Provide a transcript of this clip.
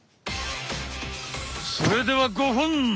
それでは５本！